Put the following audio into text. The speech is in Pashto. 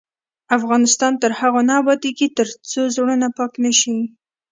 افغانستان تر هغو نه ابادیږي، ترڅو زړونه پاک نشي.